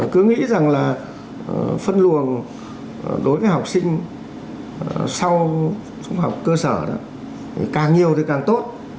cứ nghĩ rằng là phân luồng đối với học sinh sau trung học cơ sở đó càng nhiều thì càng tốt